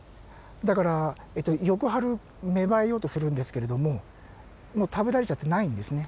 だからえっと翌春芽生えようとするんですけれどももう食べられちゃってないんですね。